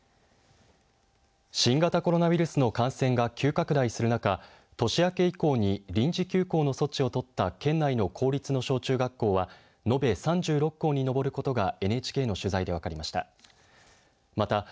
新型コロナウイルスの感染が急拡大する中年明け以降に臨時休校の措置を取った県内の公立の小中学校は延べ３６校に上ることがＮＨＫの取材で分かりました。